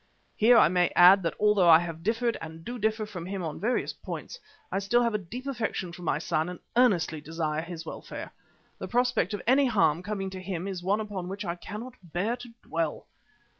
Here I may add that although I have differed and do differ from him on various points, I still have a deep affection for my son and earnestly desire his welfare. The prospect of any harm coming to him is one upon which I cannot bear to dwell.